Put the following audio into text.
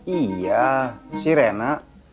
iya si rena